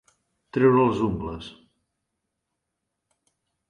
Treure les ungles.